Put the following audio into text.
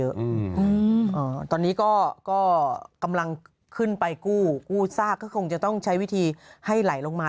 อืมอ่าตอนนี้ก็ก็กำลังขึ้นไปกู้กู้ซากก็คงจะต้องใช้วิธีให้ไหลลงมา